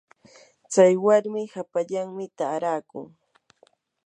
tsay warmi hapallanmi taarakun.